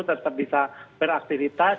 tetap bisa beraktivitas